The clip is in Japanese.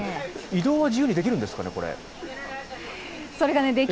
移動は自由にできるんですかね？